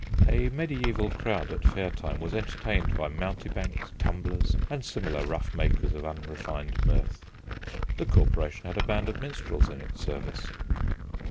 A mediæval crowd at fair time was entertained by mountebanks, tumblers, and similar rough makers of unrefined mirth. The Corporation had a band of minstrels in its service.